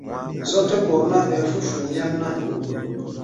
Zɔ̧́ tɛ́ kor ná, ɓɛɛ fú̧ fu̧u̧ nyɛ́mná.